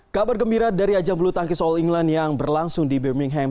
kabar gembira dari ajang bulu tangkis all england yang berlangsung di birmingham